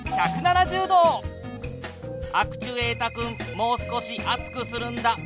もう少し熱くするんだ。